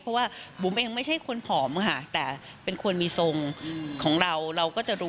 เพราะว่าบุ๋มเองไม่ใช่คนผอมค่ะแต่เป็นคนมีทรงของเราเราก็จะรู้